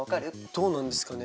どうなんですかね？